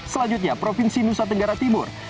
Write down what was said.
selanjutnya provinsi nusa tenggara timur